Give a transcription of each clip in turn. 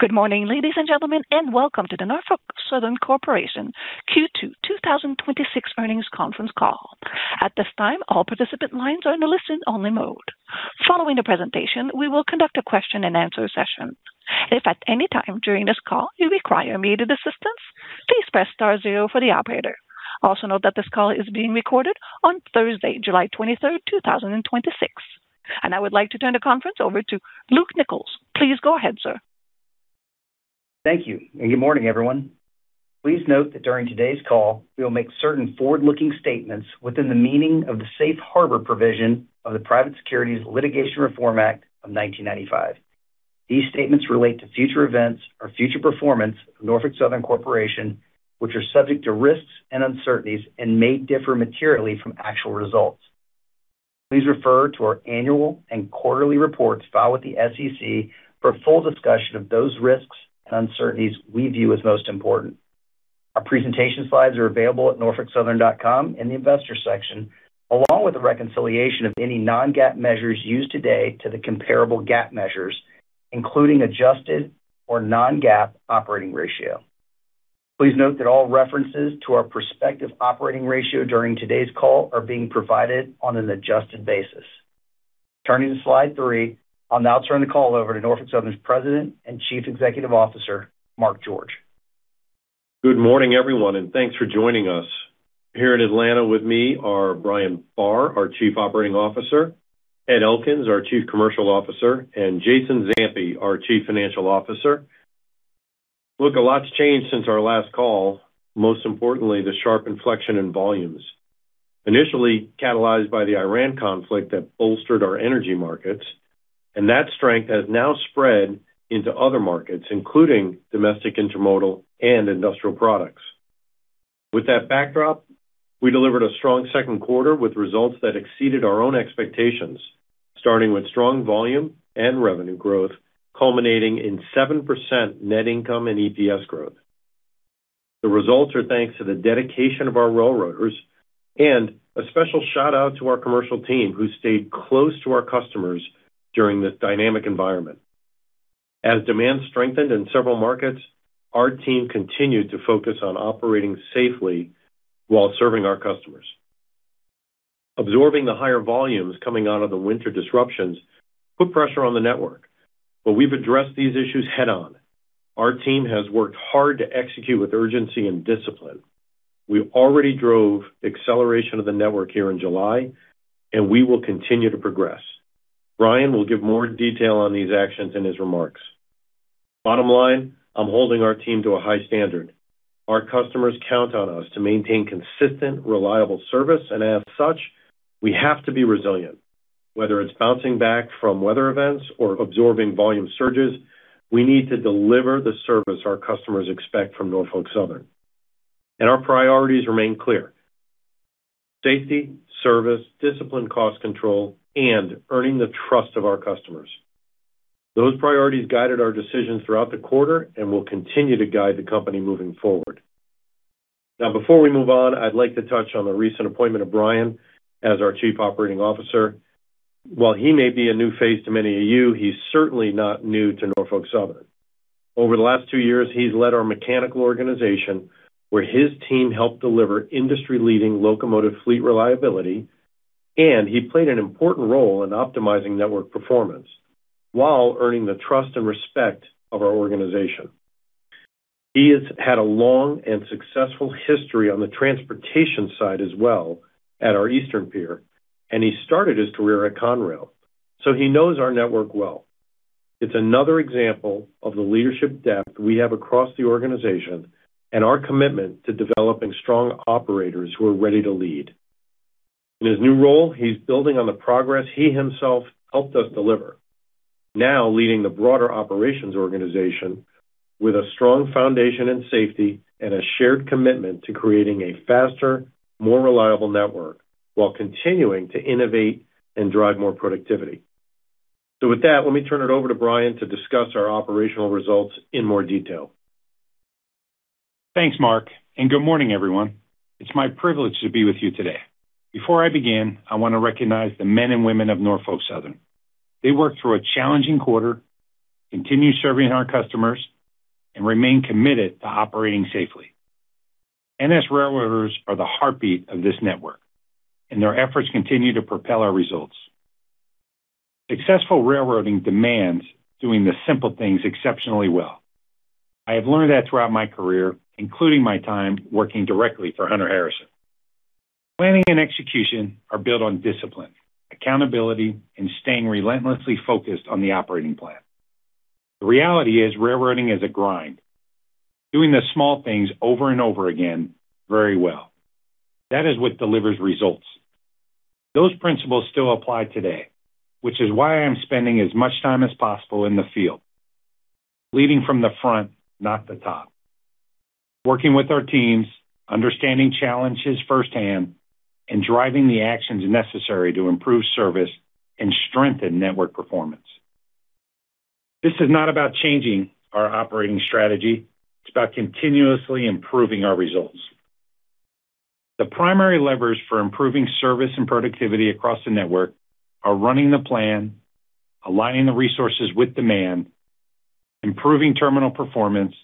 Good morning, ladies and gentlemen, and welcome to the Norfolk Southern Corporation Q2 2026 earnings conference call. At this time, all participant lines are in a listen-only mode. Following the presentation, we will conduct a question-and-answer session. If at any time during this call you require immediate assistance, please press star zero for the operator. Also note that this call is being recorded on Thursday, July 23, 2026. I would like to turn the conference over to Luke Nichols. Please go ahead, sir. Thank you. Good morning, everyone. Please note that during today's call, we will make certain forward-looking statements within the meaning of the Safe Harbor provision of the Private Securities Litigation Reform Act of 1995. These statements relate to future events or future performance of Norfolk Southern Corporation, which are subject to risks and uncertainties and may differ materially from actual results. Please refer to our annual and quarterly reports filed with the SEC for a full discussion of those risks and uncertainties we view as most important. Our presentation slides are available at norfolksouthern.com in the Investors section, along with a reconciliation of any non-GAAP measures used today to the comparable GAAP measures, including adjusted or non-GAAP operating ratio. Please note that all references to our prospective operating ratio during today's call are being provided on an adjusted basis. Turning to slide three, I'll now turn the call over to Norfolk Southern's President and Chief Executive Officer, Mark George. Good morning, everyone. Thanks for joining us. Here in Atlanta with me are Brian Barr, our Chief Operating Officer, Ed Elkins, our Chief Commercial Officer, and Jason Zampi, our Chief Financial Officer. Look, a lot's changed since our last call, most importantly, the sharp inflection in volumes, initially catalyzed by the Iran conflict that bolstered our energy markets. That strength has now spread into other markets, including domestic intermodal and industrial products. With that backdrop, we delivered a strong second quarter with results that exceeded our own expectations, starting with strong volume and revenue growth, culminating in 7% net income and EPS growth. The results are thanks to the dedication of our railroaders. A special shout-out to our commercial team who stayed close to our customers during this dynamic environment. As demand strengthened in several markets, our team continued to focus on operating safely while serving our customers. Absorbing the higher volumes coming out of the winter disruptions put pressure on the network. We've addressed these issues head-on. Our team has worked hard to execute with urgency and discipline. We already drove acceleration of the network here in July, we will continue to progress. Brian will give more detail on these actions in his remarks. Bottom line, I'm holding our team to a high standard. Our customers count on us to maintain consistent, reliable service, as such, we have to be resilient. Whether it's bouncing back from weather events or absorbing volume surges, we need to deliver the service our customers expect from Norfolk Southern. Our priorities remain clear: safety, service, disciplined cost control, and earning the trust of our customers. Those priorities guided our decisions throughout the quarter and will continue to guide the company moving forward. Before we move on, I'd like to touch on the recent appointment of Brian as our Chief Operating Officer. While he may be a new face to many of you, he's certainly not new to Norfolk Southern. Over the last two years, he's led our mechanical organization, where his team helped deliver industry-leading locomotive fleet reliability, and he played an important role in optimizing network performance while earning the trust and respect of our organization. He has had a long and successful history on the transportation side as well at our eastern tier, he started his career at Conrail, he knows our network well. It's another example of the leadership depth we have across the organization and our commitment to developing strong operators who are ready to lead. In his new role, he's building on the progress he himself helped us deliver. Leading the broader operations organization with a strong foundation in safety and a shared commitment to creating a faster, more reliable network while continuing to innovate and drive more productivity. With that, let me turn it over to Brian to discuss our operational results in more detail. Thanks, Mark, and good morning, everyone. It's my privilege to be with you today. Before I begin, I want to recognize the men and women of Norfolk Southern. They worked through a challenging quarter, continue serving our customers, and remain committed to operating safely. NS railroaders are the heartbeat of this network, and their efforts continue to propel our results. Successful railroading demands doing the simple things exceptionally well. I have learned that throughout my career, including my time working directly for Hunter Harrison. Planning and execution are built on discipline, accountability, and staying relentlessly focused on the operating plan. The reality is, railroading is a grind. Doing the small things over and over again very well. That is what delivers results. Those principles still apply today, which is why I am spending as much time as possible in the field, leading from the front, not the top, working with our teams, understanding challenges firsthand, and driving the actions necessary to improve service and strengthen network performance. This is not about changing our operating strategy. It's about continuously improving our results. The primary levers for improving service and productivity across the network are running the plan, aligning the resources with demand, improving terminal performance,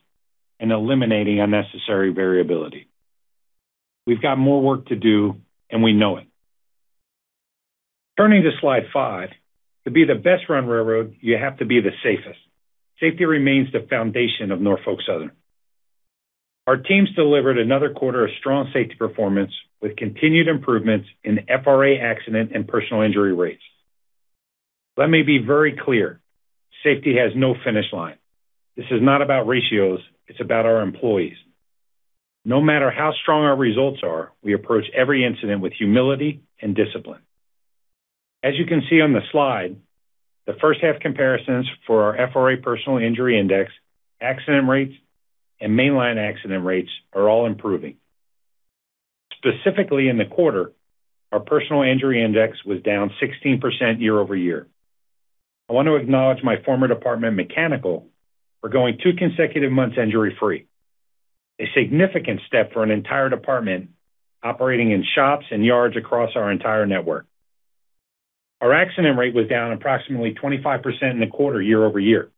and eliminating unnecessary variability. We've got more work to do and we know it. Turning to slide five, to be the best-run railroad, you have to be the safest. Safety remains the foundation of Norfolk Southern. Our teams delivered another quarter of strong safety performance with continued improvements in FRA accident and personal injury rates. Let me be very clear, safety has no finish line. This is not about ratios, it's about our employees. No matter how strong our results are, we approach every incident with humility and discipline. As you can see on the slide, the first half comparisons for our FRA Personal Injury Index, accident rates, and mainline accident rates are all improving. Specifically in the quarter, our personal injury index was down 16% year-over-year. I want to acknowledge my former department, mechanical, for going two consecutive months injury-free, a significant step for an entire department operating in shops and yards across our entire network. Our accident rate was down approximately 25% in the quarter year-over-year,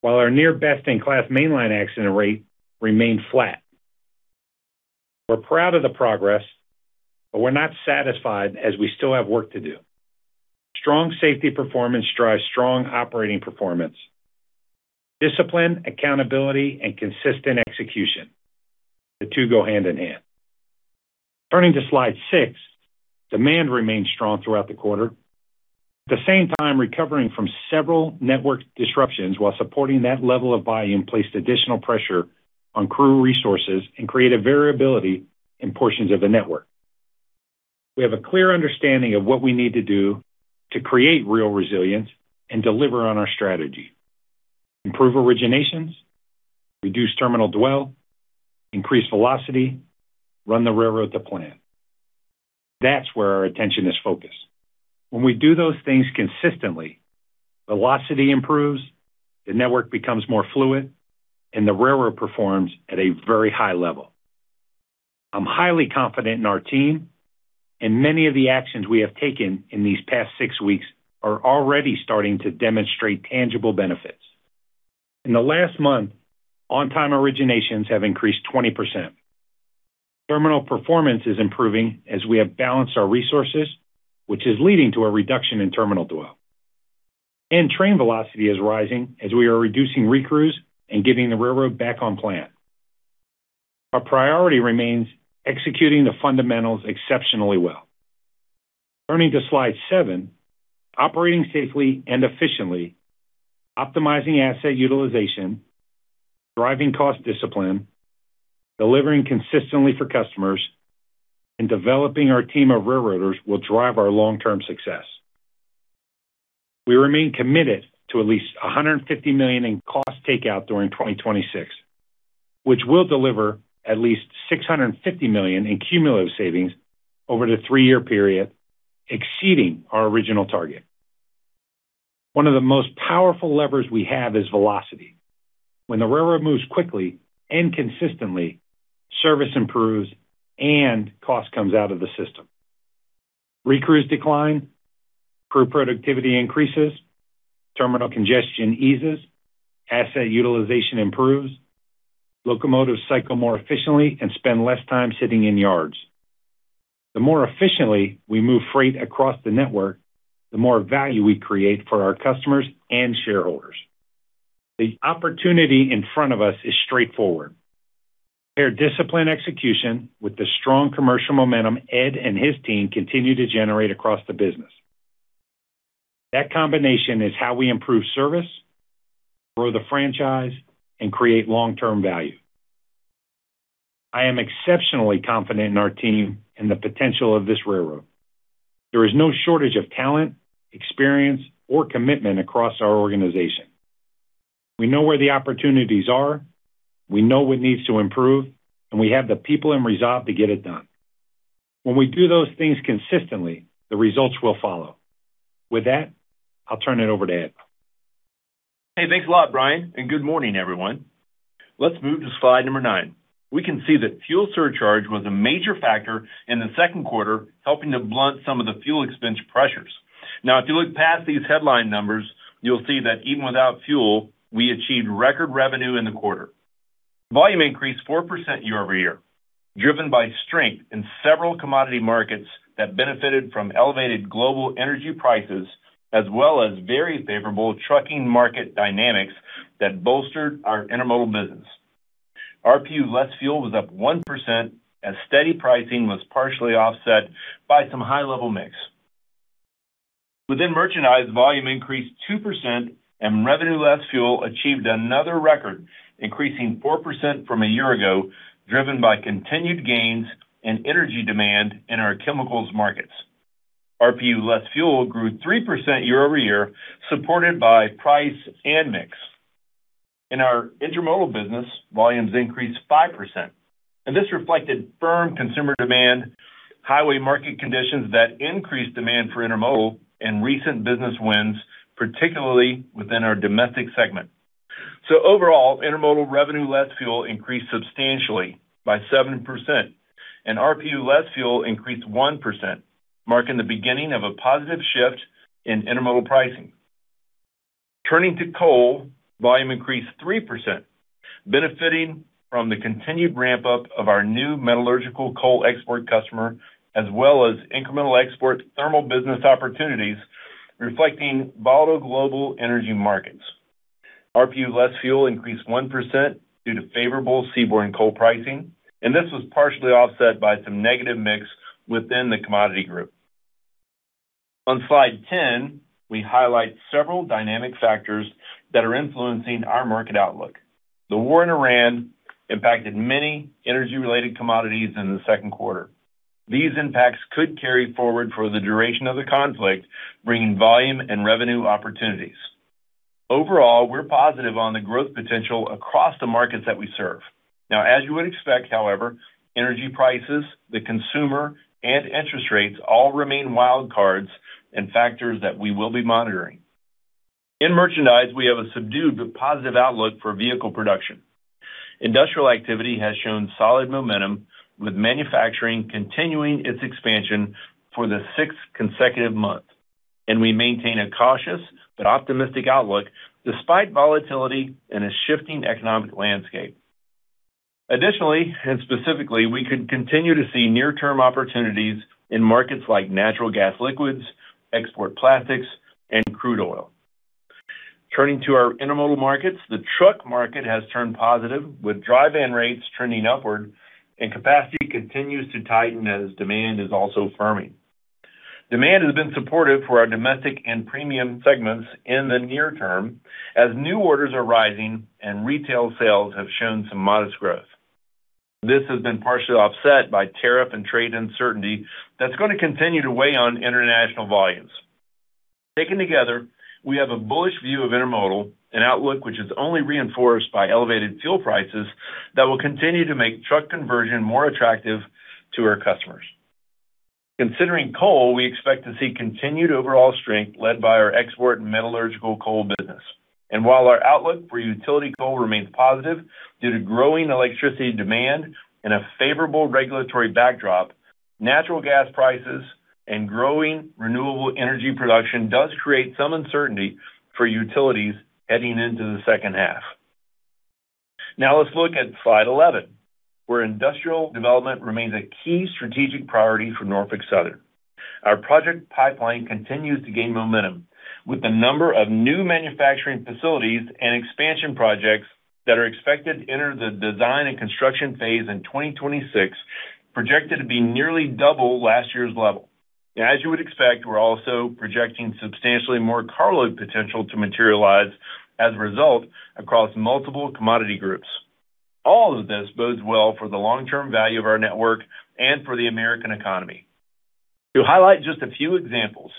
while our near-best-in-class mainline accident rate remained flat. We're proud of the progress, but we're not satisfied as we still have work to do. Strong safety performance drives strong operating performance. Discipline, accountability, and consistent execution, the two go hand-in-hand. Turning to slide six, demand remained strong throughout the quarter. At the same time, recovering from several network disruptions while supporting that level of volume placed additional pressure on crew resources and created variability in portions of the network. We have a clear understanding of what we need to do to create real resilience and deliver on our strategy: improve originations, reduce terminal dwell, increase velocity, run the railroad to plan. That's where our attention is focused. When we do those things consistently, velocity improves, the network becomes more fluid, and the railroad performs at a very high level. I'm highly confident in our team, and many of the actions we have taken in these past six weeks are already starting to demonstrate tangible benefits. In the last month, on-time originations have increased 20%. Terminal performance is improving as we have balanced our resources, which is leading to a reduction in terminal dwell. Train velocity is rising as we are reducing recrews and getting the railroad back on plan. Our priority remains executing the fundamentals exceptionally well. Turning to slide seven, operating safely and efficiently, optimizing asset utilization, driving cost discipline, delivering consistently for customers, and developing our team of railroaders will drive our long-term success. We remain committed to at least $150 million in cost takeout during 2026, which will deliver at least $650 million in cumulative savings over the three-year period, exceeding our original target. One of the most powerful levers we have is velocity. When the railroad moves quickly and consistently, service improves and cost comes out of the system. Recrews decline, crew productivity increases, terminal congestion eases, asset utilization improves, locomotives cycle more efficiently and spend less time sitting in yards. The more efficiently we move freight across the network, the more value we create for our customers and shareholders. The opportunity in front of us is straightforward. Pair disciplined execution with the strong commercial momentum Ed and his team continue to generate across the business. That combination is how we improve service, grow the franchise, and create long-term value. I am exceptionally confident in our team and the potential of this railroad. There is no shortage of talent, experience, or commitment across our organization. We know where the opportunities are, we know what needs to improve, and we have the people and resolve to get it done. When we do those things consistently, the results will follow. With that, I'll turn it over to Ed. Hey, thanks a lot, Brian, and good morning, everyone. Let's move to slide number nine. We can see that fuel surcharge was a major factor in the second quarter, helping to blunt some of the fuel expense pressures. If you look past these headline numbers, you'll see that even without fuel, we achieved record revenue in the quarter. Volume increased 4% year-over-year, driven by strength in several commodity markets that benefited from elevated global energy prices as well as very favorable trucking market dynamics that bolstered our Intermodal business. RPU less fuel was up 1% as steady pricing was partially offset by some high-level mix. Within Merchandise, volume increased 2% and revenue less fuel achieved another record, increasing 4% from a year ago, driven by continued gains in energy demand in our chemicals markets. RPU less fuel grew 3% year-over-year, supported by price and mix. In our Intermodal business, volumes increased 5%, and this reflected firm consumer demand, highway market conditions that increased demand for Intermodal, and recent business wins, particularly within our domestic segment. Overall, Intermodal revenue less fuel increased substantially by 7%, and RPU less fuel increased 1%, marking the beginning of a positive shift in Intermodal pricing. Turning to Coal, volume increased 3%, benefiting from the continued ramp-up of our new metallurgical coal export customer, as well as incremental export thermal business opportunities reflecting volatile global energy markets. RPU less fuel increased 1% due to favorable seaborne Coal pricing, and this was partially offset by some negative mix within the commodity group. On slide 10, we highlight several dynamic factors that are influencing our market outlook. The war in Iran impacted many energy-related commodities in the second quarter. These impacts could carry forward for the duration of the conflict, bringing volume and revenue opportunities. Overall, we're positive on the growth potential across the markets that we serve. As you would expect, however, energy prices, the consumer, and interest rates all remain wild cards and factors that we will be monitoring. In Merchandise, we have a subdued but positive outlook for vehicle production. Industrial activity has shown solid momentum with manufacturing continuing its expansion for the sixth consecutive month, we maintain a cautious but optimistic outlook despite volatility and a shifting economic landscape. Specifically, we could continue to see near-term opportunities in markets like natural gas liquids, export plastics, and crude oil. Turning to our Intermodal markets, the truck market has turned positive with dry van rates trending upward, capacity continues to tighten as demand is also firming. Demand has been supportive for our domestic and premium segments in the near term as new orders are rising and retail sales have shown some modest growth. This has been partially offset by tariff and trade uncertainty that's going to continue to weigh on international volumes. Taken together, we have a bullish view of Intermodal, an outlook which is only reinforced by elevated fuel prices that will continue to make truck conversion more attractive to our customers. Considering Coal, we expect to see continued overall strength led by our export metallurgical Coal business. While our outlook for utility Coal remains positive due to growing electricity demand and a favorable regulatory backdrop, natural gas prices and growing renewable energy production does create some uncertainty for utilities heading into the second half. Let's look at slide 11, where industrial development remains a key strategic priority for Norfolk Southern. Our project pipeline continues to gain momentum with the number of new manufacturing facilities and expansion projects that are expected to enter the design and construction phase in 2026, projected to be nearly double last year's level. As you would expect, we're also projecting substantially more carload potential to materialize as a result across multiple commodity groups. All of this bodes well for the long-term value of our network and for the American economy. To highlight just a few examples,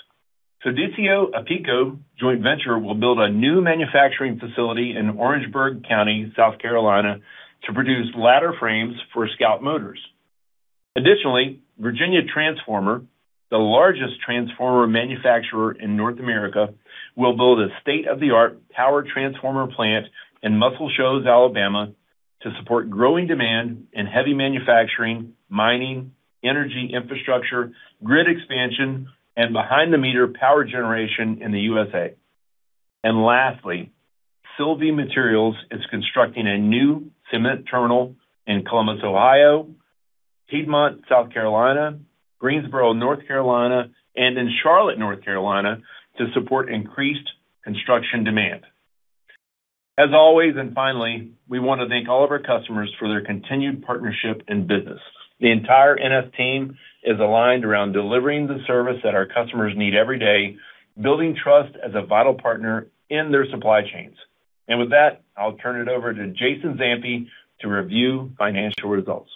Sodecia Aapico JV will build a new manufacturing facility in Orangeburg County, South Carolina to produce ladder frames for Scout Motors. Virginia Transformer, the largest transformer manufacturer in North America, will build a state-of-the-art power transformer plant in Muscle Shoals, Alabama to support growing demand in heavy manufacturing, mining, energy infrastructure, grid expansion, and behind-the-meter power generation in the USA. Lastly, Silvi Materials is constructing a new cement terminal in Columbus, Ohio, Piedmont, South Carolina, Greensboro, North Carolina, and in Charlotte, North Carolina to support increased construction demand. As always, finally, we want to thank all of our customers for their continued partnership and business. The entire NS team is aligned around delivering the service that our customers need every day, building trust as a vital partner in their supply chains. With that, I'll turn it over to Jason Zampi to review financial results.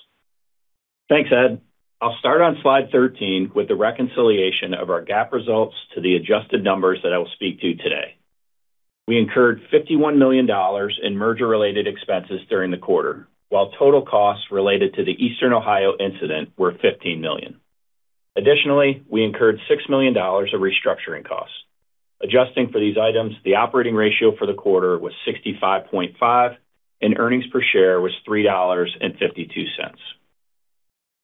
Thanks, Ed. I'll start on slide 13 with the reconciliation of our GAAP results to the adjusted numbers that I will speak to today. We incurred $51 million in merger-related expenses during the quarter, while total costs related to the Eastern Ohio incident were $15 million. Additionally, we incurred $6 million of restructuring costs. Adjusting for these items, the operating ratio for the quarter was 65.5%, and earnings per share was $3.52.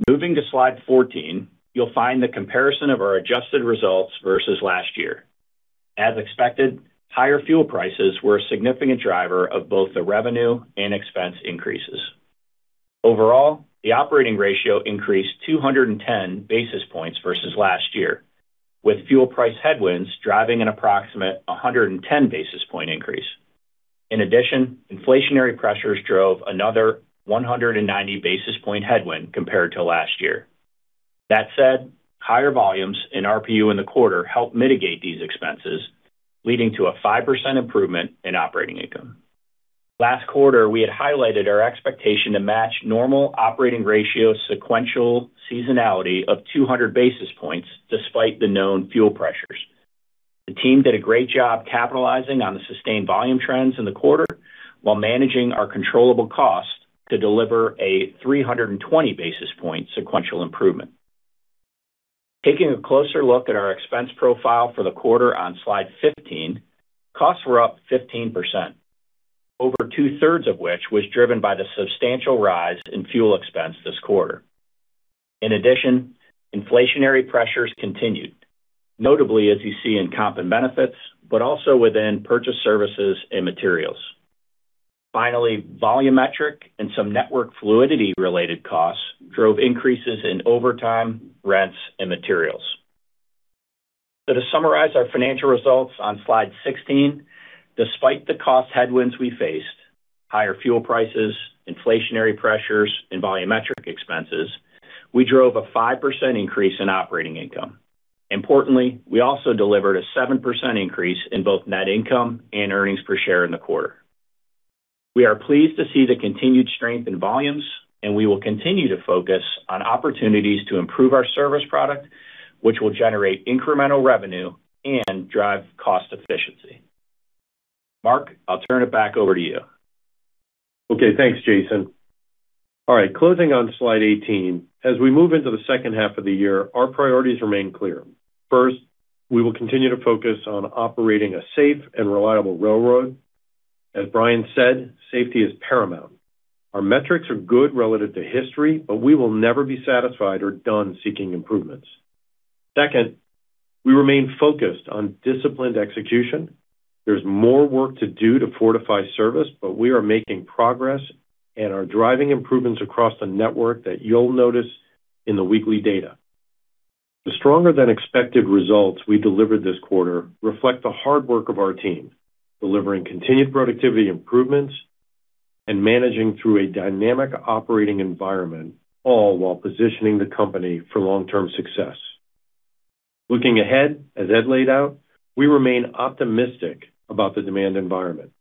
Moving to slide 14, you'll find the comparison of our adjusted results versus last year. As expected, higher fuel prices were a significant driver of both the revenue and expense increases. Overall, the operating ratio increased 210 basis points versus last year, with fuel price headwinds driving an approximate 110 basis point increase. Inflationary pressures drove another 190 basis point headwind compared to last year. Higher volumes in RPU in the quarter helped mitigate these expenses, leading to a 5% improvement in operating income. Last quarter, we had highlighted our expectation to match normal operating ratio sequential seasonality of 200 basis points despite the known fuel pressures. The team did a great job capitalizing on the sustained volume trends in the quarter while managing our controllable costs to deliver a 320 basis point sequential improvement. Taking a closer look at our expense profile for the quarter on slide 15, costs were up 15%, over two-thirds of which was driven by the substantial rise in fuel expense this quarter. Inflationary pressures continued, notably as you see in comp and benefits, but also within purchase services and materials. Volumetric and some network fluidity related costs drove increases in overtime, rents, and materials. To summarize our financial results on slide 16, despite the cost headwinds we faced, higher fuel prices, inflationary pressures, and volumetric expenses, we drove a 5% increase in operating income. Importantly, we also delivered a 7% increase in both net income and earnings per share in the quarter. We are pleased to see the continued strength in volumes, and we will continue to focus on opportunities to improve our service product, which will generate incremental revenue and drive cost efficiency. Mark, I'll turn it back over to you. Okay. Thanks, Jason. Closing on slide 18. As we move into the second half of the year, our priorities remain clear. First, we will continue to focus on operating a safe and reliable railroad. As Brian said, safety is paramount. Our metrics are good relative to history, but we will never be satisfied or done seeking improvements. Second, we remain focused on disciplined execution. There's more work to do to fortify service, but we are making progress and are driving improvements across the network that you'll notice in the weekly data. The stronger than expected results we delivered this quarter reflect the hard work of our team, delivering continued productivity improvements and managing through a dynamic operating environment, all while positioning the company for long-term success. As Ed laid out, we remain optimistic about the demand environment.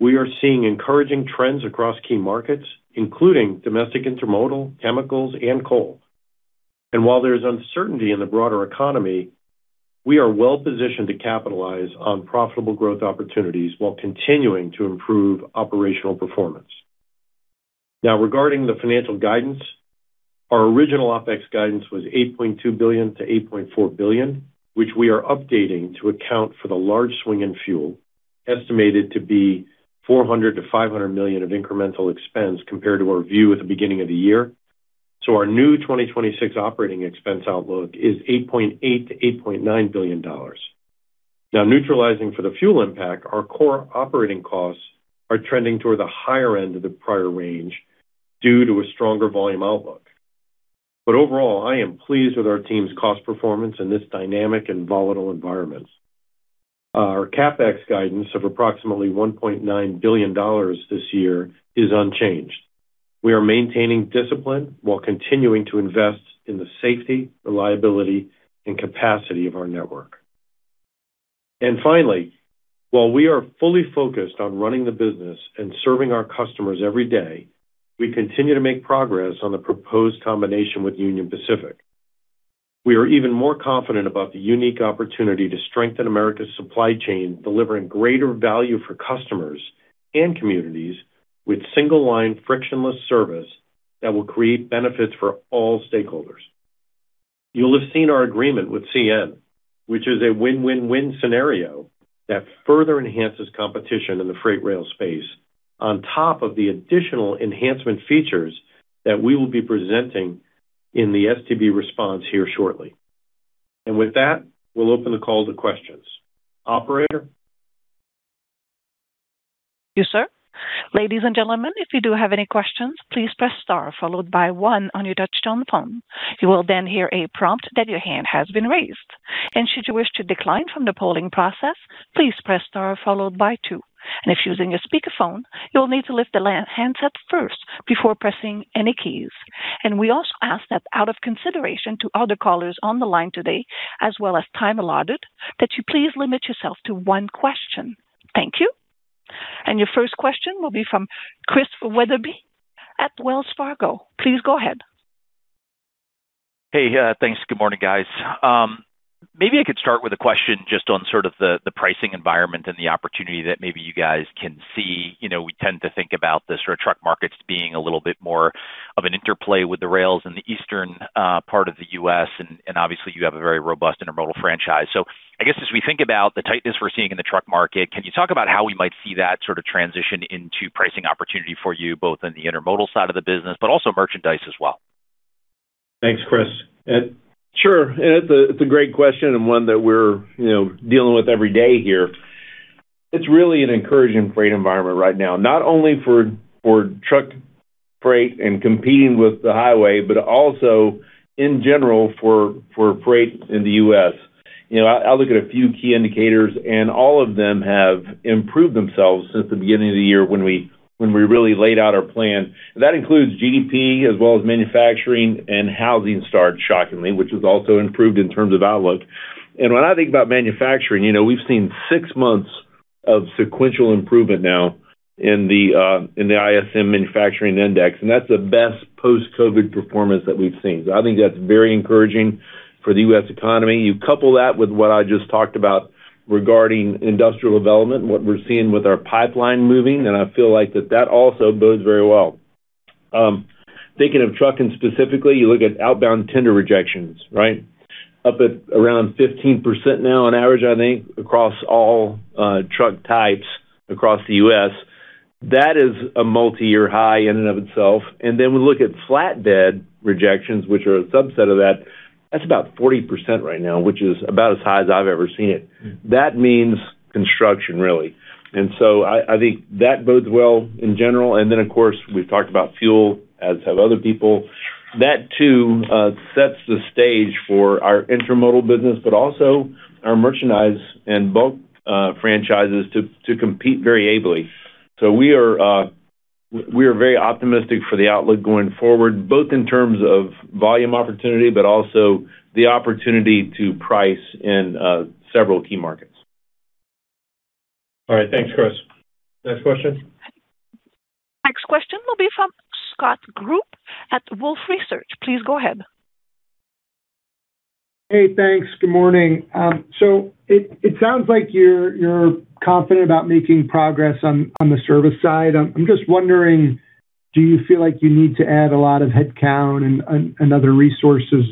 We are seeing encouraging trends across key markets, including domestic Intermodal, chemicals, and Coal. While there is uncertainty in the broader economy, we are well-positioned to capitalize on profitable growth opportunities while continuing to improve operational performance. Regarding the financial guidance, our original OPEX guidance was $8.2 billion-$8.4 billion, which we are updating to account for the large swing in fuel, estimated to be $400 million-$500 million of incremental expense compared to our view at the beginning of the year. Our new 2026 operating expense outlook is $8.8 billion-$8.9 billion. Neutralizing for the fuel impact, our core operating costs are trending toward the higher end of the prior range due to a stronger volume outlook. Overall, I am pleased with our team's cost performance in this dynamic and volatile environment. Our CapEx guidance of approximately $1.9 billion this year is unchanged. We are maintaining discipline while continuing to invest in the safety, reliability, and capacity of our network. Finally, while we are fully focused on running the business and serving our customers every day, we continue to make progress on the proposed combination with Union Pacific. We are even more confident about the unique opportunity to strengthen America's supply chain, delivering greater value for customers and communities with single line frictionless service that will create benefits for all stakeholders. You'll have seen our agreement with CN, which is a win-win-win scenario that further enhances competition in the freight rail space on top of the additional enhancement features that we will be presenting in the STB response here shortly. With that, we'll open the call to questions. Operator? Yes, sir. Ladies and gentlemen, if you do have any questions, please press star followed by one on your touchtone phone. You will then hear a prompt that your hand has been raised. Should you wish to decline from the polling process, please press star followed by two. If using a speakerphone, you'll need to lift the handset first before pressing any keys. We also ask that out of consideration to other callers on the line today, as well as time allotted, that you please limit yourself to one question. Thank you. Your first question will be from Chris Wetherbee at Wells Fargo. Please go ahead. Hey, thanks. Good morning, guys. Maybe I could start with a question just on sort of the pricing environment and the opportunity that maybe you guys can see. We tend to think about the truck markets being a little bit more of an interplay with the rails in the eastern part of the U.S., and obviously you have a very robust Intermodal franchise. I guess as we think about the tightness we're seeing in the truck market, can you talk about how we might see that sort of transition into pricing opportunity for you both in the Intermodal side of the business, but also Merchandise as well? Thanks, Chris. Ed? Sure. Ed, it's a great question and one that we're dealing with every day here. It's really an encouraging freight environment right now, not only for truck freight and competing with the highway, but also in general for freight in the U.S. I look at a few key indicators, all of them have improved themselves since the beginning of the year when we really laid out our plan. That includes GDP as well as manufacturing and housing start, shockingly, which has also improved in terms of outlook. When I think about manufacturing, we've seen six months of sequential improvement now in the ISM Manufacturing Index, that's the best post-COVID performance that we've seen. I think that's very encouraging for the U.S. economy. You couple that with what I just talked about regarding industrial development and what we're seeing with our pipeline moving, I feel like that that also bodes very well. Thinking of trucking specifically, you look at outbound tender rejections. Up at around 15% now on average, I think, across all truck types across the U.S. That is a multi-year high in and of itself. We look at flatbed tender rejections, which are a subset of that. That's about 40% right now, which is about as high as I've ever seen it. That means construction, really. I think that bodes well in general. Then, of course, we've talked about fuel, as have other people. That, too, sets the stage for our Intermodal business, but also our Merchandise and bulk franchises to compete very ably. We are very optimistic for the outlook going forward, both in terms of volume opportunity, but also the opportunity to price in several key markets. All right. Thanks, Chris. Next question. Next question will be from Scott Group at Wolfe Research. Please go ahead. Hey, thanks. Good morning. It sounds like you're confident about making progress on the service side. I'm just wondering, do you feel like you need to add a lot of headcount and other resources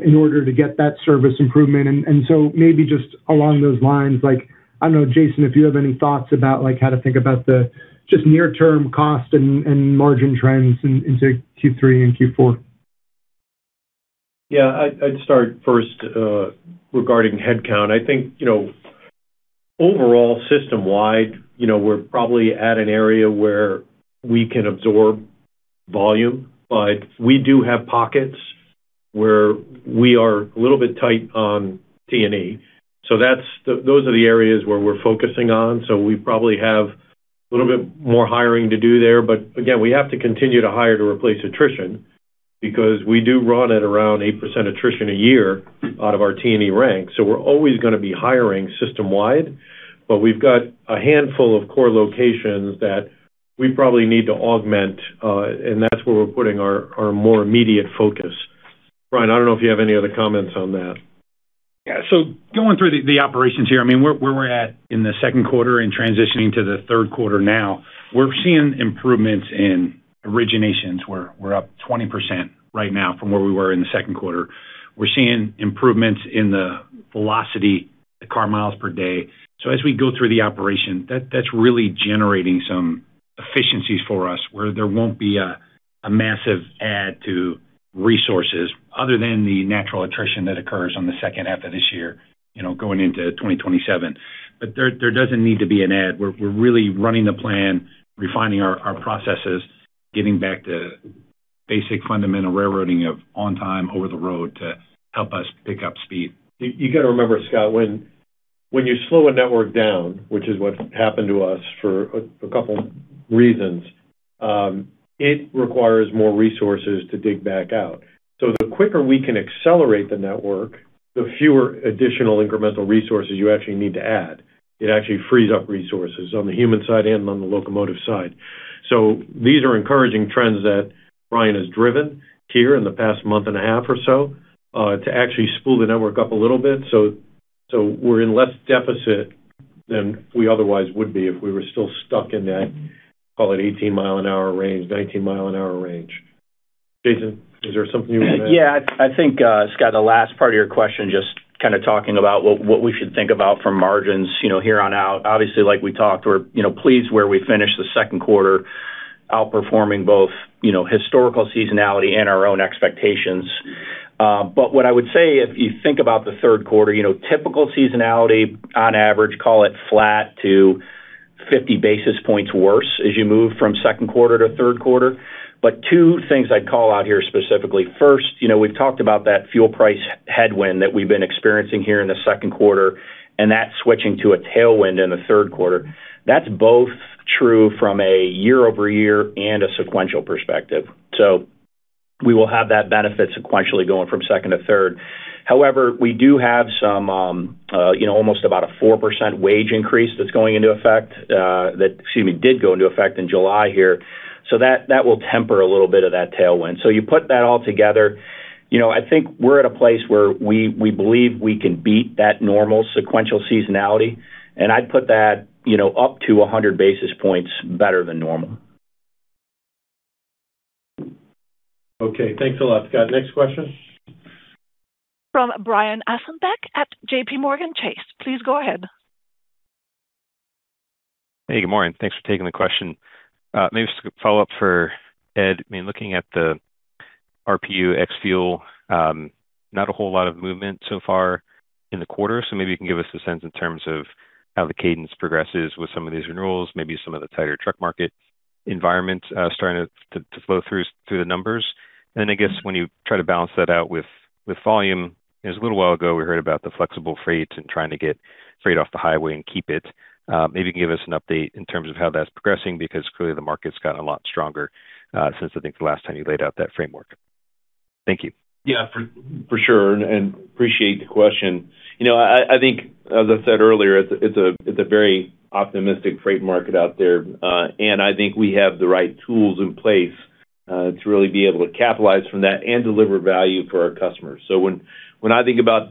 in order to get that service improvement? Maybe just along those lines, I don't know, Jason, if you have any thoughts about how to think about the just near term cost and margin trends into Q3 and Q4. Yeah, I'd start first regarding headcount. I think, overall, system wide, we're probably at an area where we can absorb volume, but we do have pockets where we are a little bit tight on T&E. Those are the areas where we're focusing on. We probably have a little bit more hiring to do there. Again, we have to continue to hire to replace attrition because we do run at around 8% attrition a year out of our T&E rank. We're always going to be hiring system wide, but we've got a handful of core locations that we probably need to augment, and that's where we're putting our more immediate focus. Brian, I don't know if you have any other comments on that. Going through the operations here, where we're at in the second quarter and transitioning to the third quarter now, we're seeing improvements in originations where we're up 20% right now from where we were in the second quarter. We're seeing improvements in the velocity, the car miles per day. As we go through the operation, that's really generating some efficiencies for us where there won't be a massive add to resources other than the natural attrition that occurs on the second half of this year, going into 2027. There doesn't need to be an add. We're really running the plan, refining our processes, getting back to basic fundamental railroading of on time over the road to help us pick up speed. You got to remember, Scott, when you slow a network down, which is what happened to us for a couple reasons, it requires more resources to dig back out. The quicker we can accelerate the network, the fewer additional incremental resources you actually need to add. It actually frees up resources on the human side and on the locomotive side. These are encouraging trends that Brian has driven here in the past month and a half or so, to actually spool the network up a little bit. We're in less deficit than we otherwise would be if we were still stuck in that, call it 18 mile an hour range, 19 mile an hour range. Jason, is there something you would add? I think, Scott, the last part of your question, just kind of talking about what we should think about from margins here on out. Obviously, like we talked, we're pleased where we finished the second quarter, outperforming both historical seasonality and our own expectations. What I would say, if you think about the third quarter, typical seasonality on average, call it flat to 50 basis points worse as you move from second quarter to third quarter. Two things I'd call out here specifically. First, we've talked about that fuel price headwind that we've been experiencing here in the second quarter, and that switching to a tailwind in the third quarter. That's both true from a year-over-year and a sequential perspective. We will have that benefit sequentially going from second to third. We do have almost about a 4% wage increase that's going into effect that, excuse me, did go into effect in July here. That will temper a little bit of that tailwind. You put that all together, I think we're at a place where we believe we can beat that normal sequential seasonality, and I'd put that up to 100 basis points better than normal. Okay. Thanks a lot, Scott. Next question. From Brian Ossenbeck at JPMorgan. Please go ahead. Hey, good morning. Thanks for taking the question. Maybe just a follow-up for Ed. Looking at the RPU ex-fuel, not a whole lot of movement so far in the quarter. Maybe you can give us a sense in terms of how the cadence progresses with some of these renewals, maybe some of the tighter truck market environments starting to flow through the numbers. I guess, when you try to balance that out with volume, it was a little while ago, we heard about the flexible freight and trying to get freight off the highway and keep it. Maybe you can give us an update in terms of how that's progressing, because clearly the market's gotten a lot stronger since I think the last time you laid out that framework. Thank you. Yeah, for sure, and appreciate the question. I think as I said earlier, it's a very optimistic freight market out there. I think we have the right tools in place to really be able to capitalize from that and deliver value for our customers. When I think about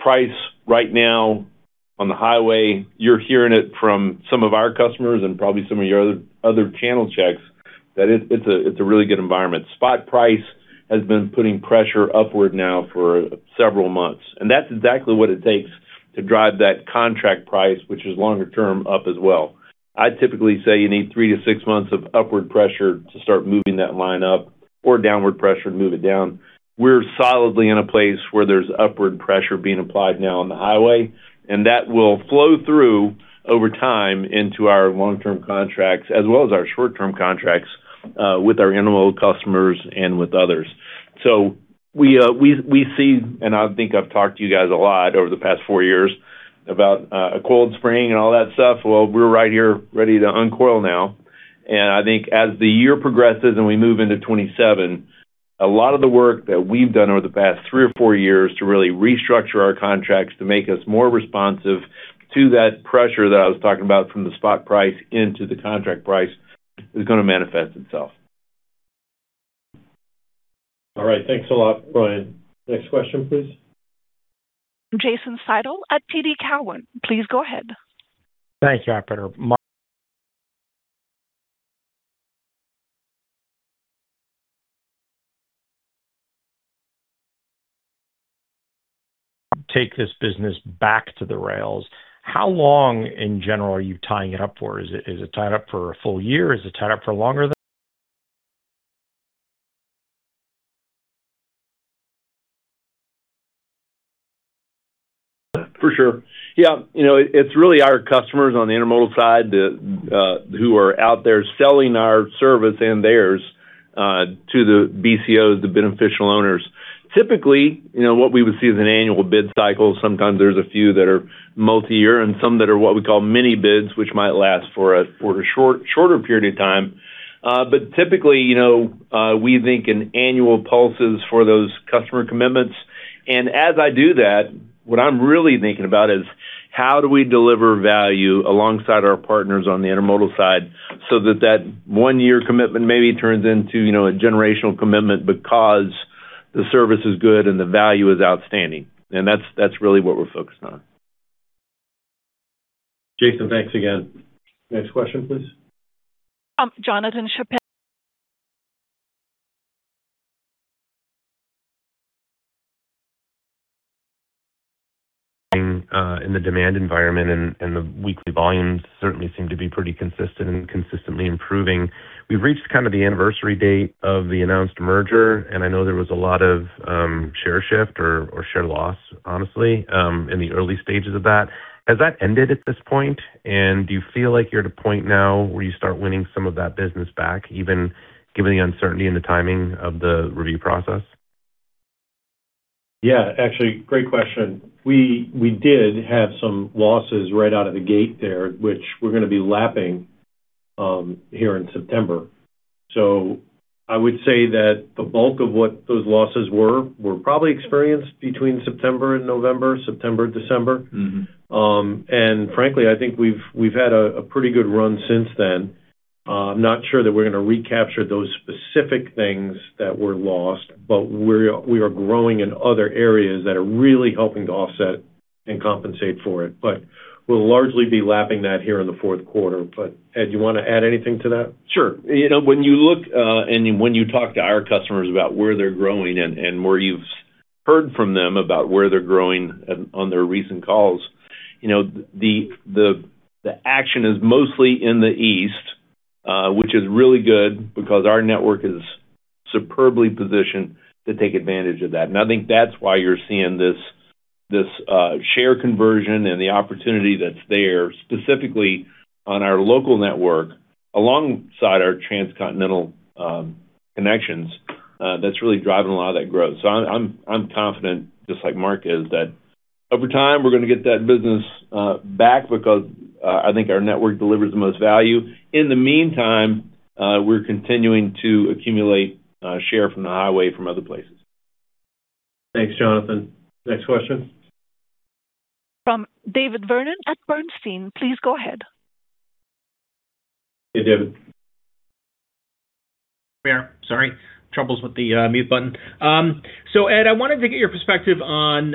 price right now on the highway, you're hearing it from some of our customers and probably some of your other channel checks, that it's a really good environment. Spot price has been putting pressure upward now for several months, and that's exactly what it takes to drive that contract price, which is longer term, up as well. I typically say you need three to six months of upward pressure to start moving that line up or downward pressure to move it down. We're solidly in a place where there's upward pressure being applied now on the highway, and that will flow through over time into our long-term contracts, as well as our short-term contracts, with our Intermodal customers and with others. We see, and I think I've talked to you guys a lot over the past four years about a coiled spring and all that stuff. Well, we're right here ready to uncoil now, I think as the year progresses and we move into 2027, a lot of the work that we've done over the past three or four years to really restructure our contracts to make us more responsive to that pressure that I was talking about from the spot price into the contract price is going to manifest itself. All right. Thanks a lot, Brian. Next question, please. Jason Seidl at TD Cowen. Please go ahead. Thank you, operator. Mark Take this business back to the rails, how long, in general, are you tying it up for? Is it tied up for a full year? Is it tied up for longer than- For sure. Yeah, it's really our customers on the Intermodal side who are out there selling our service and theirs, to the BCOs, the beneficial owners. Typically, what we would see is an annual bid cycle. Sometimes there's a few that are multi-year and some that are what we call mini bids, which might last for a shorter period of time. Typically, we think in annual pulses for those customer commitments. As I do that, what I'm really thinking about is how do we deliver value alongside our partners on the Intermodal side so that that one-year commitment maybe turns into a generational commitment because the service is good and the value is outstanding. That's really what we're focused on. Jason, thanks again. Next question, please. Jonathan Chappell- In the demand environment, the weekly volumes certainly seem to be pretty consistent and consistently improving. We've reached the anniversary date of the announced merger, I know there was a lot of share shift or share loss, honestly, in the early stages of that. Has that ended at this point, and do you feel like you're at a point now where you start winning some of that business back, even given the uncertainty in the timing of the review process? Yeah, actually, great question. We did have some losses right out of the gate there, which we're going to be lapping here in September. I would say that the bulk of what those losses were probably experienced between September and November, September, December. Frankly, I think we've had a pretty good run since then. I'm not sure that we're going to recapture those specific things that were lost, but we are growing in other areas that are really helping to offset and compensate for it. We'll largely be lapping that here in the fourth quarter. Ed, you want to add anything to that? Sure. When you look and when you talk to our customers about where they're growing and where you've heard from them about where they're growing on their recent calls, the action is mostly in the East, which is really good because our network is superbly positioned to take advantage of that. I think that's why you're seeing this share conversion and the opportunity that's there, specifically on our local network, alongside our transcontinental connections, that's really driving a lot of that growth. I'm confident, just like Mark is, that over time, we're going to get that business back because I think our network delivers the most value. In the meantime, we're continuing to accumulate share from the highway from other places. Thanks, Jonathan. Next question. From David Vernon at Bernstein. Please go ahead. Hey, David. There. Sorry, troubles with the mute button. Ed, I wanted to get your perspective on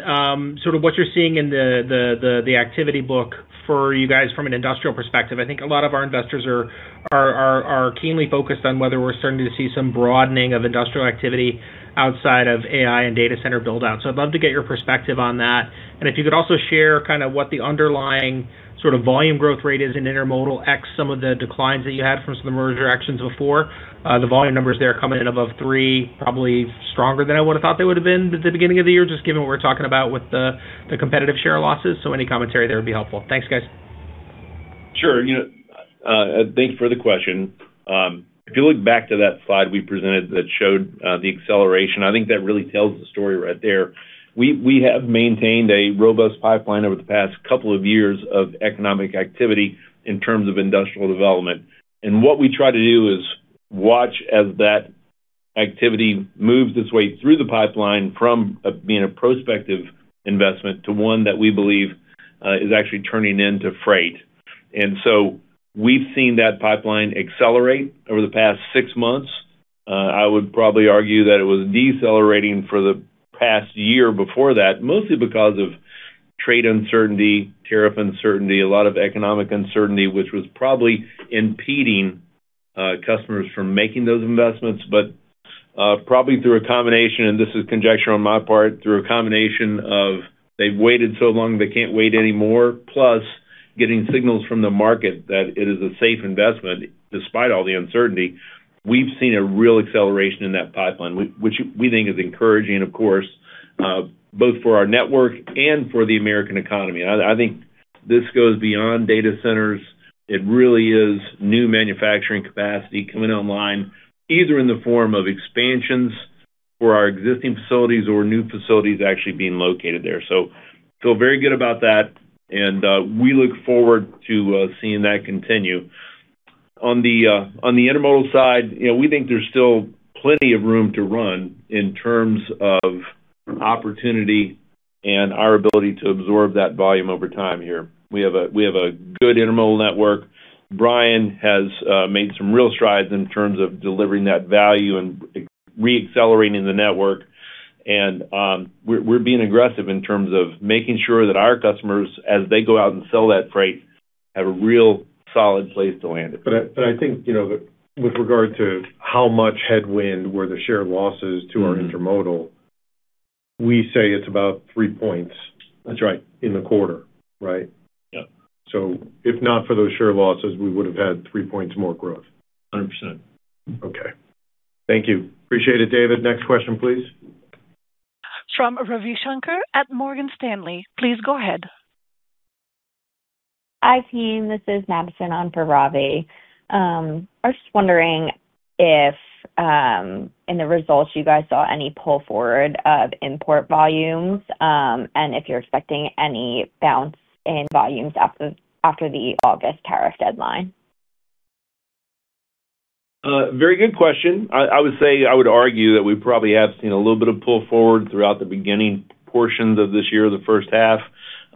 sort of what you're seeing in the activity book for you guys from an industrial perspective. I think a lot of our investors are keenly focused on whether we're starting to see some broadening of industrial activity outside of AI and data center build-out. I'd love to get your perspective on that. If you could also share what the underlying volume growth rate is in Intermodal ex some of the declines that you had from some of the merger actions before. The volume numbers there are coming in above three, probably stronger than I would have thought they would have been at the beginning of the year, just given what we're talking about with the competitive share losses. Any commentary there would be helpful. Thanks, guys. Sure. Thanks for the question. If you look back to that slide we presented that showed the acceleration, I think that really tells the story right there. We have maintained a robust pipeline over the past couple of years of economic activity in terms of industrial development. What we try to do is watch as that activity moves its way through the pipeline from being a prospective investment to one that we believe is actually turning into freight. We've seen that pipeline accelerate over the past six months. I would probably argue that it was decelerating for the past year before that, mostly because of trade uncertainty, tariff uncertainty, a lot of economic uncertainty, which was probably impeding customers from making those investments. Probably through a combination, this is conjecture on my part, through a combination of, they've waited so long, they can't wait anymore, plus getting signals from the market that it is a safe investment despite all the uncertainty. We've seen a real acceleration in that pipeline, which we think is encouraging, of course, both for our network and for the American economy. I think this goes beyond data centers. It really is new manufacturing capacity coming online, either in the form of expansions for our existing facilities or new facilities actually being located there. Feel very good about that, we look forward to seeing that continue. On the Intermodal side, we think there's still plenty of room to run in terms of opportunity and our ability to absorb that volume over time here. We have a good Intermodal network. Brian has made some real strides in terms of delivering that value and re-accelerating the network. We're being aggressive in terms of making sure that our customers, as they go out and sell that freight, have a real solid place to land it. I think with regard to how much headwind were the share losses to our Intermodal, we say it's about 3 points. That's right. In the quarter, right? Yeah. If not for those share losses, we would have had 3 percentage points more growth. 100%. Okay. Thank you. Appreciate it, David. Next question, please. From Ravi Shanker at Morgan Stanley. Please go ahead. Hi, team, this is Madison on for Ravi. I was just wondering if in the results you guys saw any pull forward of import volumes, and if you're expecting any bounce in volumes after the August tariff deadline. Very good question. I would say, I would argue that we probably have seen a little bit of pull forward throughout the beginning portions of this year, the first half.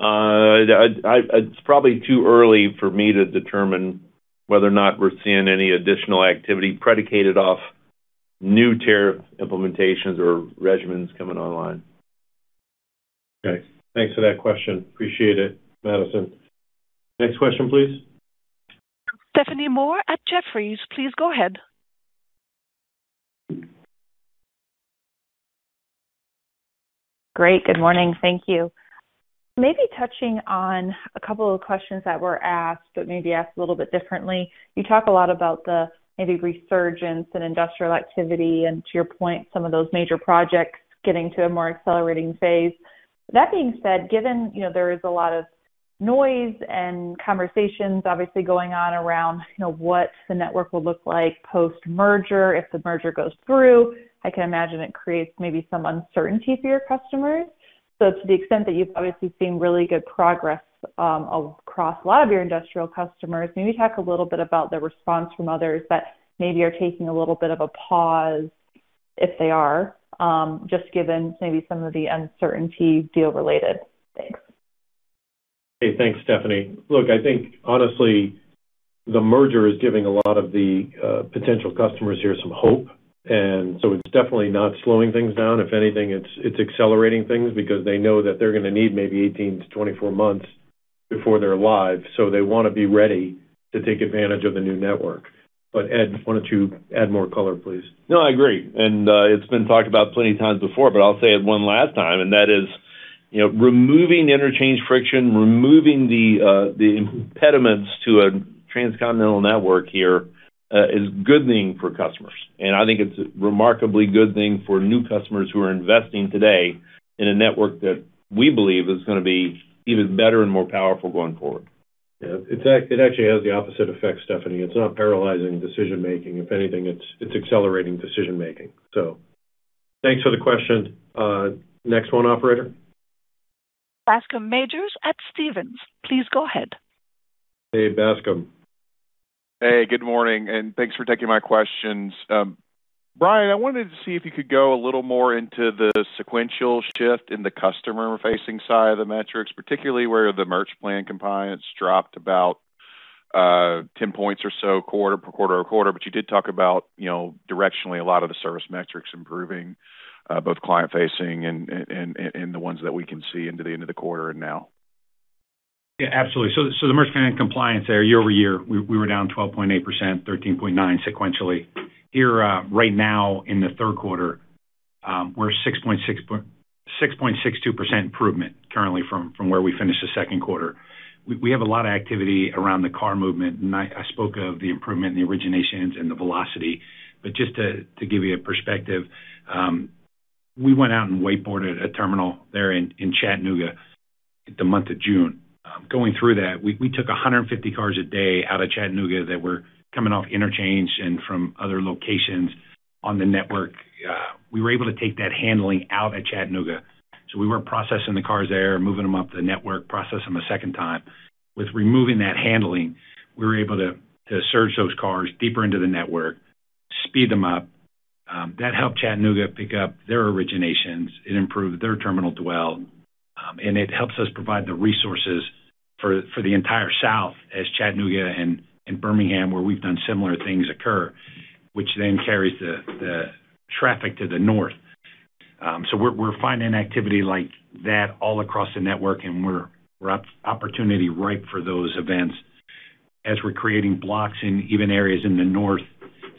It's probably too early for me to determine whether or not we're seeing any additional activity predicated off new tariff implementations or regimens coming online. Thanks for that question. Appreciate it, Madison. Next question, please. Stephanie Moore at Jefferies. Please go ahead. Good morning. Thank you. Maybe touching on a couple of questions that were asked, maybe asked a little bit differently. You talk a lot about the maybe resurgence in industrial activity, to your point, some of those major projects getting to a more accelerating phase. That being said, given there is a lot of noise and conversations obviously going on around what the network will look like post-merger, if the merger goes through, I can imagine it creates maybe some uncertainty for your customers. To the extent that you've obviously seen really good progress across a lot of your industrial customers, maybe talk a little bit about the response from others that maybe are taking a little bit of a pause, if they are, just given maybe some of the uncertainty deal related. Thanks. Hey, thanks, Stephanie. Look, I think honestly, the merger is giving a lot of the potential customers here some hope, it's definitely not slowing things down. If anything, it's accelerating things because they know that they're going to need maybe 18 to 24 months before they're live. They want to be ready to take advantage of the new network. Ed, why don't you add more color, please? No, I agree. It's been talked about plenty of times before, I'll say it one last time, and that is, removing the interchange friction, removing the impediments to a transcontinental network here is a good thing for customers. I think it's a remarkably good thing for new customers who are investing today in a network that we believe is going to be even better and more powerful going forward. Yeah. It actually has the opposite effect, Stephanie. It's not paralyzing decision-making. If anything, it's accelerating decision-making. Thanks for the question. Next one, operator. Bascome Majors at Stephens. Please go ahead. Hey, Bascome. Hey, good morning, and thanks for taking my questions. Brian, I wanted to see if you could go a little more into the sequential shift in the customer-facing side of the metrics, particularly where the Merchandise plan compliance dropped about 10 percentage points or so per quarter, you did talk about directionally a lot of the service metrics improving, both client facing and the ones that we can see into the end of the quarter and now. Yeah, absolutely. The Merchandise plan compliance there year-over-year, we were down 12.8%, 13.9% sequentially. Here right now in the third quarter, we're at 6.62% improvement currently from where we finished the second quarter. We have a lot of activity around the car movement, and I spoke of the improvement in the originations and the velocity. Just to give you a perspective, we went out and white boarded a terminal there in Chattanooga the month of June. Going through that, we took 150 cars a day out of Chattanooga that were coming off interchange and from other locations on the network. We were able to take that handling out at Chattanooga, so we weren't processing the cars there, moving them up the network, process them a second time. With removing that handling, we were able to surge those cars deeper into the network, speed them up. That helped Chattanooga pick up their originations. It improved their terminal dwell, it helps us provide the resources for the entire South as Chattanooga and Birmingham, where we've done similar things occur, which carries the traffic to the north. We're finding activity like that all across the network, we're opportunity ripe for those events as we're creating blocks in even areas in the north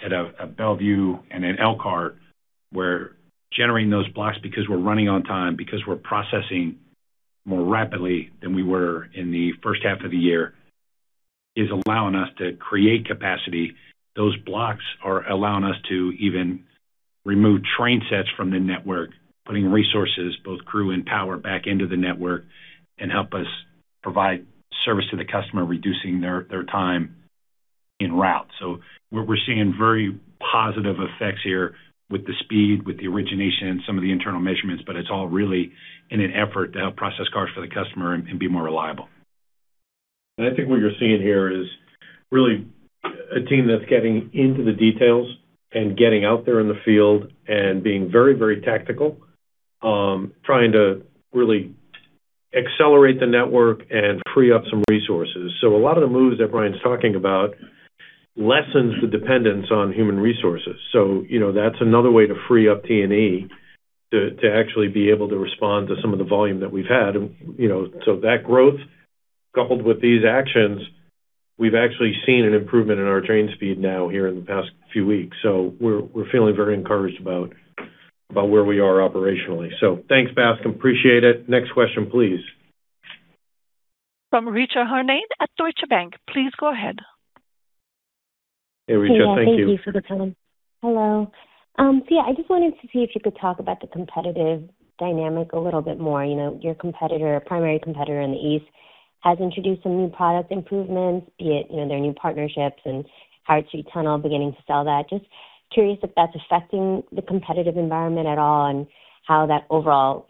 at Bellevue and in Elkhart. We're generating those blocks because we're running on time, because we're processing more rapidly than we were in the first half of the year, is allowing us to create capacity. Those blocks are allowing us to even remove train sets from the network, putting resources, both crew and power, back into the network and help us provide service to the customer, reducing their time in route. We're seeing very positive effects here with the speed, with the origination, some of the internal measurements, it's all really in an effort to help process cars for the customer and be more reliable. I think what you're seeing here is really a team that's getting into the details and getting out there in the field and being very tactical, trying to really accelerate the network and free up some resources. A lot of the moves that Brian's talking about lessens the dependence on human resources. That's another way to free up T&E to actually be able to respond to some of the volume that we've had. That growth, coupled with these actions, we've actually seen an improvement in our train speed now here in the past few weeks. We're feeling very encouraged about where we are operationally. Thanks, Bascome. Appreciate it. Next question, please. From Richa Harnain at Deutsche Bank. Please go ahead. Hey, Richa. Thank you. Yeah, I just wanted to see if you could talk about the competitive dynamic a little bit more. Your competitor, primary competitor in the east, has introduced some new product improvements, be it their new partnerships and Howard Street Tunnel, beginning to sell that. Just curious if that's affecting the competitive environment at all and how that overall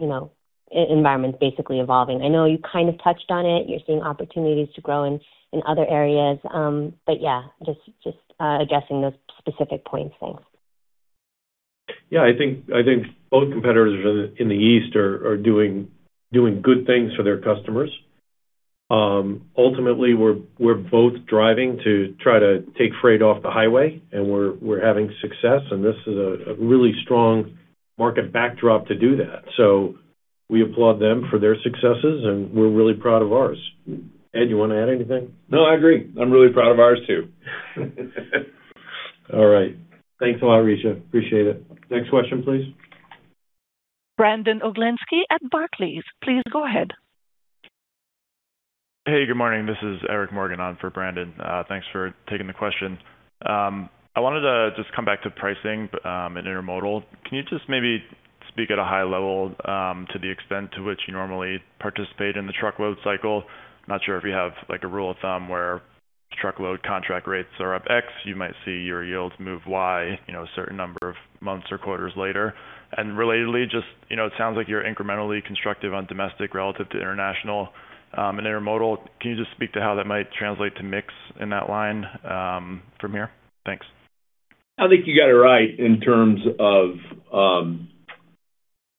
environment is basically evolving. I know you kind of touched on it. You're seeing opportunities to grow in other areas. Yeah, just addressing those specific points. Thanks. Yeah, I think both competitors in the east are doing good things for their customers. Ultimately, we're both driving to try to take freight off the highway, and we're having success, and this is a really strong market backdrop to do that. We applaud them for their successes, and we're really proud of ours. Ed, you want to add anything? No, I agree. I'm really proud of ours, too. All right. Thanks a lot, Richa. Appreciate it. Next question, please. Brandon Oglenski at Barclays. Please go ahead. Hey, good morning. This is Eric Morgan on for Brandon. Thanks for taking the question. I wanted to just come back to pricing and Intermodal. Can you just maybe speak at a high level to the extent to which you normally participate in the truckload cycle? Not sure if you have a rule of thumb where truckload contract rates are up X, you might see your yields move Y a certain number of months or quarters later. Relatedly, it sounds like you're incrementally constructive on domestic relative to international and Intermodal. Can you just speak to how that might translate to mix in that line from here? Thanks. I think you got it right in terms of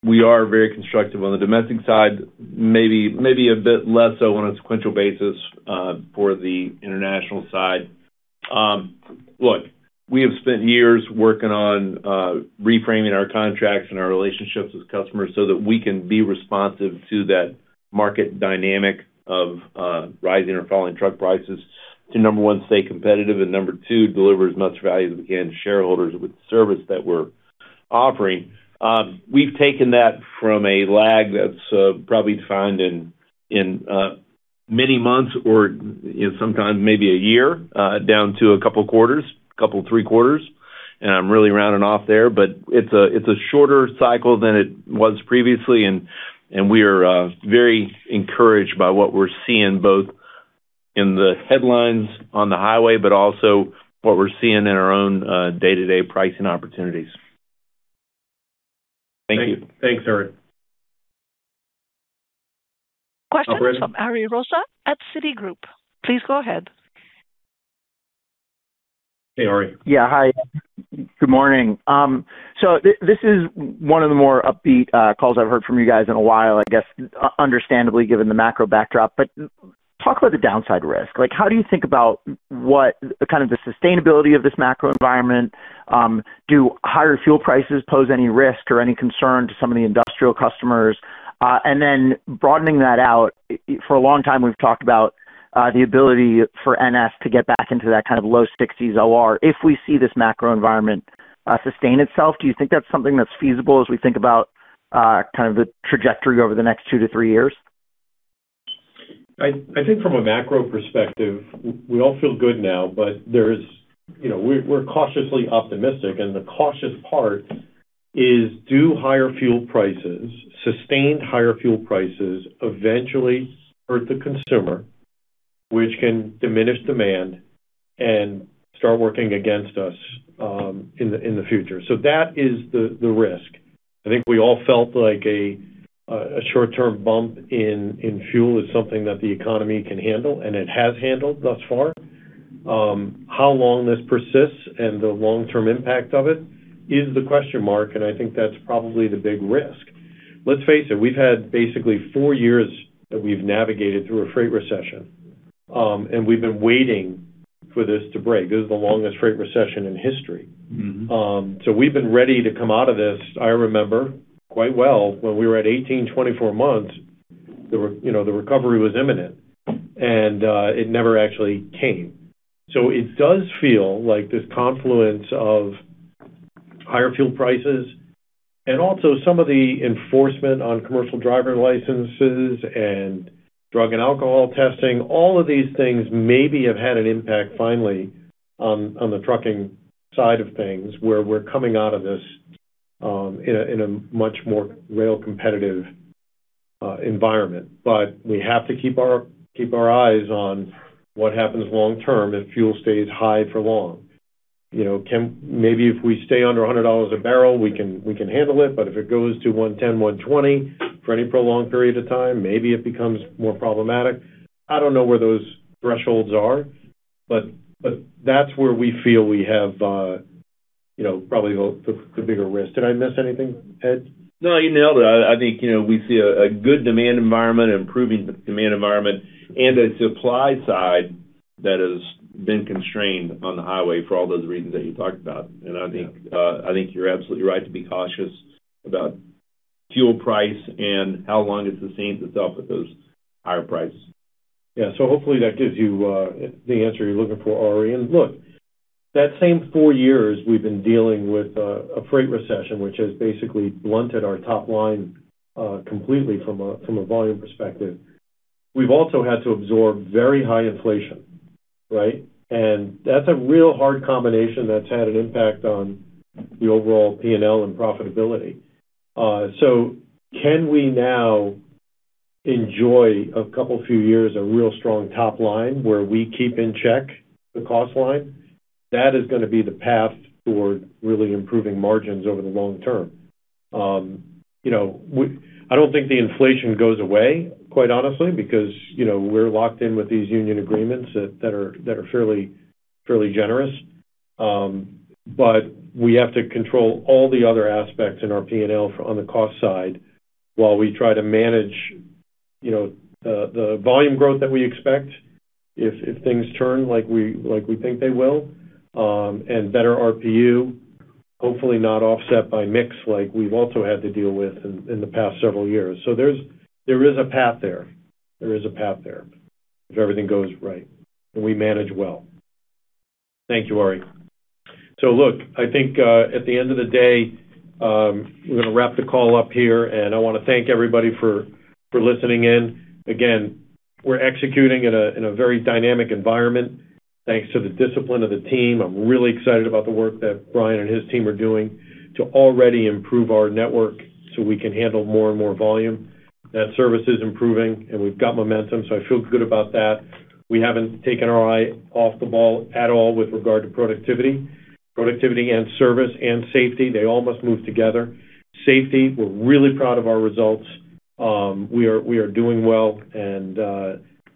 we are very constructive on the domestic side, maybe a bit less so on a sequential basis for the international side. Look, we have spent years working on reframing our contracts and our relationships with customers so that we can be responsive to that market dynamic of rising or falling truck prices to, number 1, stay competitive, and number 2, deliver as much value as we can to shareholders with the service that we're offering. We've taken that from a lag that's probably defined in many months or sometimes maybe a year, down to a couple quarters, couple three quarters. I'm really rounding off there, but it's a shorter cycle than it was previously, and we are very encouraged by what we're seeing, both in the headlines on the highway, but also what we're seeing in our own day-to-day pricing opportunities. Thank you. Thanks, Eric. Operator? Question from Ari Rosa at Citigroup. Please go ahead. Hey, Ari. Yeah, hi. Good morning. This is one of the more upbeat calls I've heard from you guys in a while, I guess, understandably, given the macro backdrop. Talk about the downside risk. How do you think about what kind of the sustainability of this macro environment? Do higher fuel prices pose any risk or any concern to some of the industrial customers? Then broadening that out, for a long time, we've talked about the ability for NS to get back into that kind of low 60s OR. If we see this macro environment sustain itself, do you think that's something that's feasible as we think about the trajectory over the next two to three years? I think from a macro perspective, we all feel good now, we're cautiously optimistic. The cautious part is, do higher fuel prices, sustained higher fuel prices, eventually hurt the consumer, which can diminish demand and start working against us in the future. That is the risk. I think we all felt like a short-term bump in fuel is something that the economy can handle, and it has handled thus far. How long this persists and the long-term impact of it is the question mark, and I think that's probably the big risk. Let's face it, we've had basically four years that we've navigated through a freight recession, and we've been waiting for this to break. This is the longest freight recession in history. We've been ready to come out of this. I remember quite well when we were at 18, 24 months, the recovery was imminent, and it never actually came. It does feel like this confluence of higher fuel prices and also some of the enforcement on commercial driver licenses and drug and alcohol testing, all of these things maybe have had an impact finally on the trucking side of things, where we're coming out of this in a much more rail-competitive environment. We have to keep our eyes on what happens long term if fuel stays high for long. Maybe if we stay under $100 a barrel, we can handle it. If it goes to 110, 120 for any prolonged period of time, maybe it becomes more problematic. I don't know where those thresholds are. That's where we feel we have probably the bigger risk. Did I miss anything, Ed? No, you nailed it. I think we see a good demand environment, improving demand environment, and a supply side that has been constrained on the highway for all those reasons that you talked about. I think you're absolutely right to be cautious about fuel price and how long it sustains itself at those higher prices. Yeah. Hopefully that gives you the answer you're looking for, Ari. Look, that same four years we've been dealing with a freight recession, which has basically blunted our top line completely from a volume perspective. We've also had to absorb very high inflation, right? That's a real hard combination that's had an impact on the overall P&L and profitability. Can we now enjoy a couple few years of real strong top line where we keep in check the cost line? That is going to be the path toward really improving margins over the long term. I don't think the inflation goes away, quite honestly, because we're locked in with these union agreements that are fairly generous. We have to control all the other aspects in our P&L on the cost side while we try to manage the volume growth that we expect if things turn like we think they will. Better RPU, hopefully not offset by mix like we've also had to deal with in the past several years. There is a path there. There is a path there if everything goes right and we manage well. Thank you, Ari. Look, I think at the end of the day, we're going to wrap the call up here and I want to thank everybody for listening in. Again, we're executing in a very dynamic environment thanks to the discipline of the team. I'm really excited about the work that Brian and his team are doing to already improve our network so we can handle more and more volume. That service is improving and we've got momentum, so I feel good about that. We haven't taken our eye off the ball at all with regard to productivity. Productivity and service and safety, they all must move together. Safety, we're really proud of our results. We are doing well and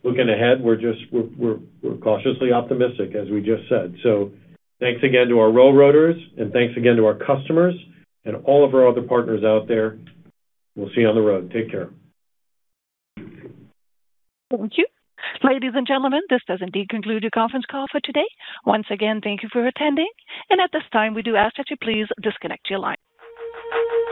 looking ahead, we're cautiously optimistic, as we just said. Thanks again to our railroaders, and thanks again to our customers and all of our other partners out there. We'll see you on the road. Take care. Thank you. Ladies and gentlemen, this does indeed conclude your conference call for today. Once again, thank you for attending, at this time, we do ask that you please disconnect your line.